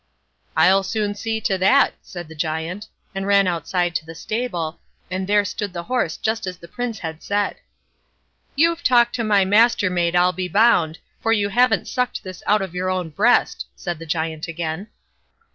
"I'll soon see to that", said the Giant, and ran out to the stable, and there stood the horse just as the Prince had said. "You've talked to my Mastermaid, I'll be bound, for you haven't sucked this out of your own breast", said the Giant again.